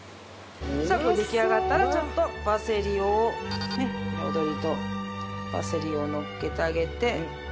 さあ出来上がったらちょっとパセリをねっ彩りとパセリをのっけてあげて。